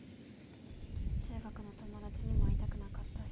中学の友達にも会いたくなかったし。